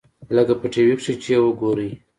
لکه په ټي وي کښې چې يې وګورې.